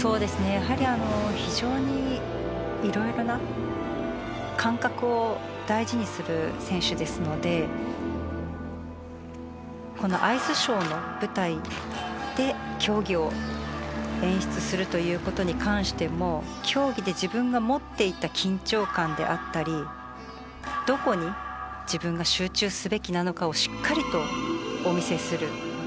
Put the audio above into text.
やはりあの非常に色々な感覚を大事にする選手ですのでこのアイスショーの舞台で競技を演出するという事に関しても競技で自分が持っていた緊張感であったりどこに自分が集中すべきなのかをしっかりとお見せする。